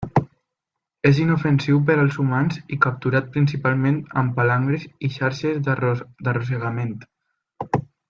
És inofensiu per als humans i capturat principalment amb palangres i xarxes d'arrossegament.